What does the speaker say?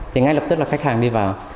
thì ngay lập tức là khách hàng đi vào